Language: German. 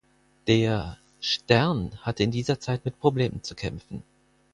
Der "Stern" hatte in dieser Zeit mit Problemen zu kämpfen.